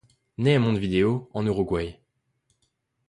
Né à Montevideo, en Uruguay.